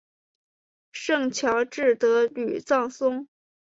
圣乔治德吕藏松。